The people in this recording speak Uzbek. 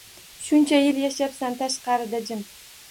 Shuncha yil yashabsan tashqarida jim.